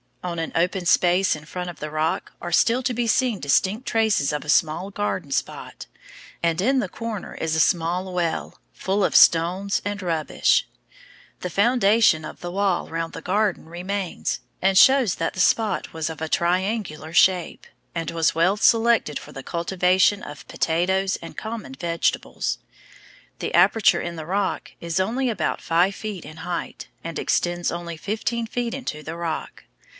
On an open space in front of the rock are still to be seen distinct traces of a small garden spot, and in the corner is a small well, full of stones and rubbish; the foundation of the wall round the garden remains, and shows that the spot was of a triangular shape, and was well selected for the cultivation of potatoes and common vegetables. The aperture in the rock is only about five feet in height, and extends only fifteen feet into the rock.